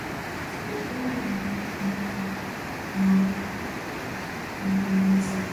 Serikali ya awamu ya nane inaweka nguvu nyingi sana